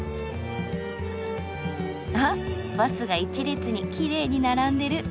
あっバスが一列にきれいに並んでる。